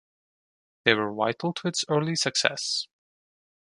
They were vital to its early success.